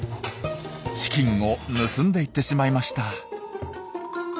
チキンを盗んでいってしまいました。